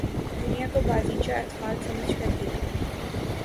دنیا کو بازیچہ اطفال سمجھ کر دیکھا